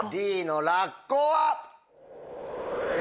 Ｄのラッコは？